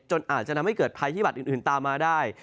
อาจจะทำให้เกิดภัยพิบัตรอื่นตามมาได้